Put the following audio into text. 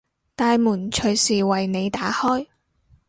大門隨時為你打開